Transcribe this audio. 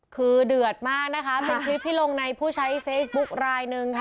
คือเดือดมากนะคะเป็นคลิปที่ลงในผู้ใช้เฟซบุ๊คลายหนึ่งค่ะ